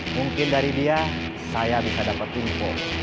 mungkin dari dia saya bisa dapat info